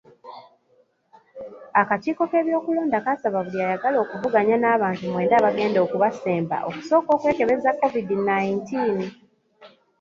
Akakiiko k'ebyokulonda kaasaba buli ayagala okuvuganya n'abantu mwenda abagenda okubasemba okusooka okwekebeza Covid nineteen.